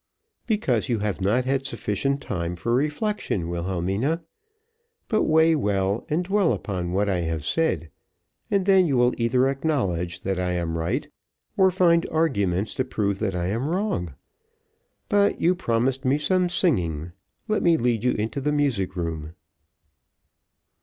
"Because you have not had sufficient time for reflection, Wilhelmina; but weigh well, and dwell upon what I have said, and then you will either acknowledge that I am right, or find arguments to prove that I am wrong. But you promised me some singing. Let me lead you into the music room."